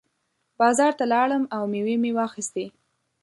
بازار ته لاړم او مېوې مې واخېستې.